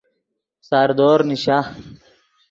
ڤردور نیشا